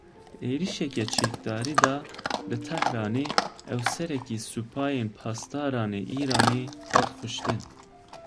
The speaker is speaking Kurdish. Di êrişeke çekdarî de li Tehranê, efserekî Supayên Pasdaran ê Îranê hat kuştin.